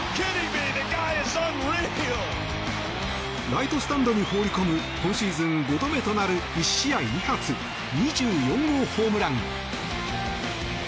ライトスタンドに放り込む今シーズン５度目となる１試合２発、２４号ホームラン。